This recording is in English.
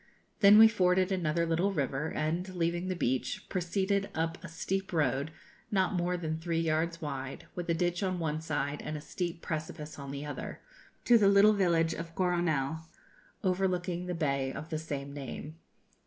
Then we forded another little river, and, leaving the beach, proceeded up a steep road, not more than three yards wide, with a ditch on one side and a steep precipice on the other, to the little village of Coronel, overlooking the bay of the same name.